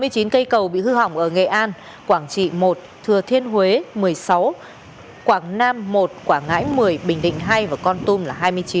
hai mươi chín cây cầu bị hư hỏng ở nghệ an quảng trị một thừa thiên huế một mươi sáu quảng nam một quảng ngãi một mươi bình định hai và con tum là hai mươi chín